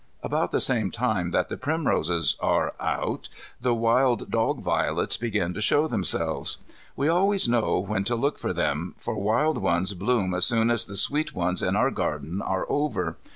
About the same time that the primroses are out the wild dog violets begin to show themselves. We always know when to look for them, for wild ones bloom as soon as the sweet ones in our garden are over.